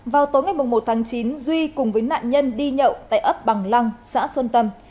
vào tối ngày một tháng chín duy cùng với nạn nhân đi nhậu tại ấp bằng lăng xã xuân tâm